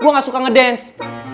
gue gak suka ngedance